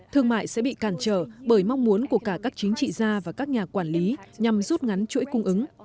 thương mại sẽ bị cản trở bởi mong muốn của cả các chính trị gia và các nhà quản lý nhằm rút ngắn chuỗi cung ứng